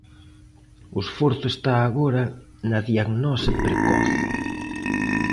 O esforzo está agora na diagnose precoz.